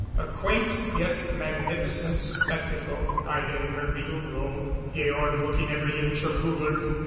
A quaint, yet magnificent spectacle. Maida in her regal robe; Georg looking every inch a ruler.